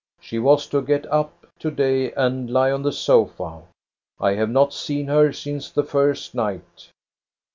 She was to get up to day and lie on the sofa. I have not seen her since the first night."